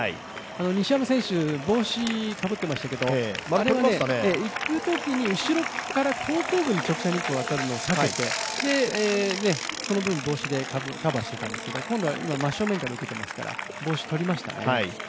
西山選手、帽子かぶっていましたけれどもあれは行くときに後ろから後頭部に直射日光が当たるのを避けてその分、帽子でカバーをしていたんですけれども、今度は真っ正面から受けていますから、帽子取りましたね。